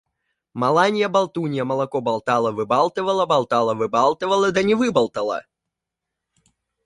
Маланья-болтунья молоко болтала-выбалтывала, болтала-выбалтывала, да не выболтала.